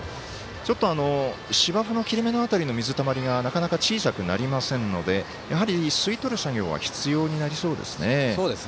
ちょっと芝生の切れ目の辺りの水たまりがなかなか小さくなりませんのでやはり、吸い取る作業は必要になりそうですね。